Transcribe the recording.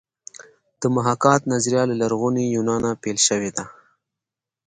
د محاکات نظریه له لرغوني یونانه پیل شوې ده